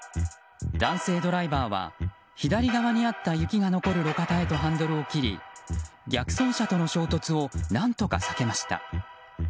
男性ドライバーは左側にあった雪が残る路肩へとハンドルを切り逆走車との衝突を何とか避けました。